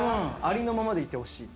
ありのままでいてほしい。